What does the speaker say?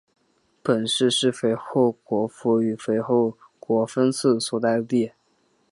本市是肥后国府与肥后国分寺所在地。